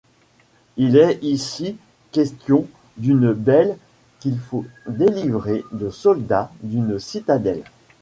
Il est ici question d'une belle qu'il faut délivrer de soldats, d'une citadelle.